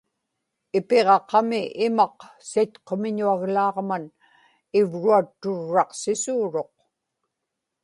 ipiġaqami imaq sitqumiñuaglaaġman ivruatturraqsiruq